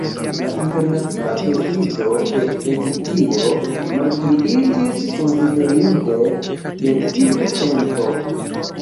La internacia prestiĝo de Egiptio malpliiĝis konsiderinde de tiu tempo.